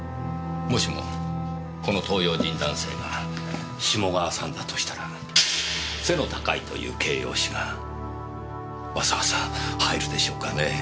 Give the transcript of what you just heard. もしもこの東洋人男性が志茂川さんだとしたら「背の高い」という形容詞がわざわざ入るでしょうかね？